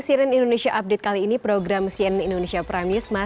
selain pelantikan juga akan ada pelantikan